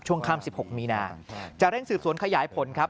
จะเร่งสืบสวนขยายผลครับ